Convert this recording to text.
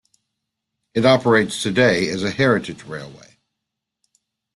It operates today as a heritage railway.